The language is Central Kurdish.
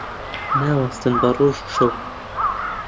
ناوەستن بە ڕۆژ و شەو